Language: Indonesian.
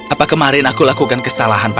apa kemarin aku lakukan kesalahan pak